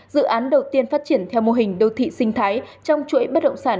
dự án đầu tiên phát triển theo mô hình đô thị sinh thái trong chuỗi bất động sản